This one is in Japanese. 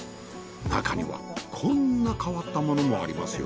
なかにはこんな変わったものもありますよ。